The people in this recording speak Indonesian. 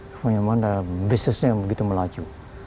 keimbangan dari bisnisnya yang begitu melaju